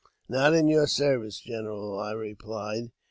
'' Not in your service, general," I replied.